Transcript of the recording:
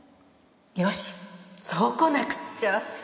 よしそうこなくっちゃ。